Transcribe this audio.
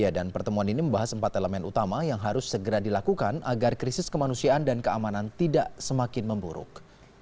ya dan pertemuan ini membahas empat elemen utama yang harus segera dilakukan agar krisis kemanusiaan dan keamanan tidak semakin memburuk